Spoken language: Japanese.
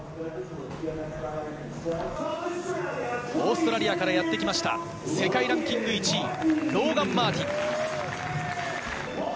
オーストラリアからやってきました、世界ランキング１位、ローガン・マーティン。